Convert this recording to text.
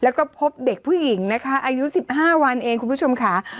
แล้วก็พบเด็กผู้หญิงนะคะอายุ๑๕วันเองคุณผู้ชมค่ะ